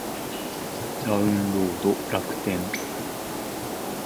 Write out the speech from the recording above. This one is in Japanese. ダウンロード楽天